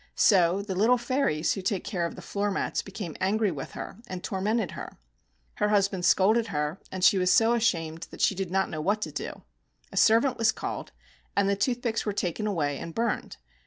So the little fairies who take care of the floor mats became angry with her, and tor mented her. Her husband scolded her, and she was so ashamed that she did not know what to do. A servant was called, and the toothpicks were taken away and burned.